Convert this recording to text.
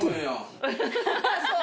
そう。